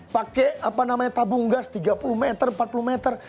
pakai apa namanya tabung gas tiga puluh meter empat puluh meter